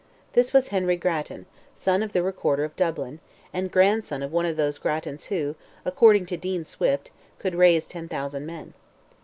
This was Henry Grattan, son of the Recorder of Dublin, and grandson of one of those Grattans who, according to Dean Swift, "could raise 10,000 men."